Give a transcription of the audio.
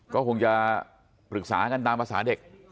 ก็คงจะปรึกษากันตามภาษาเด็ก